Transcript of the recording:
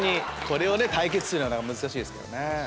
これを対決するのはなかなか難しいですけどね。